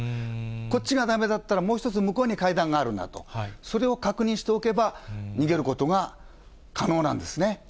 こっちがだめだったら、もう１つ向こうに階段があるなと、それを確認しておけば、逃げることが可能なんですね。